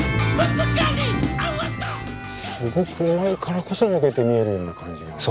すごくうまいからこそ抜けて見えるような感じがある。